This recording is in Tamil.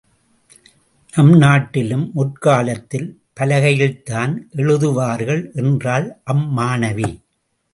நம் நாட்டிலும் முற்காலத்தில் பலகையில்தான் எழுதுவார்கள் என்றாள் அம்மாணவி.